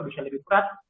bisa lebih berat